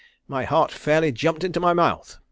My heart fairly jumped into my mouth.